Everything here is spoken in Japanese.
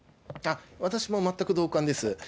私も全く同感です。